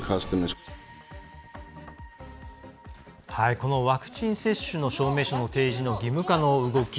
このワクチン接種の証明書の提示の義務化の動き。